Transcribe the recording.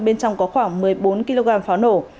bên trong có khoảng một mươi bốn kg pháo nổ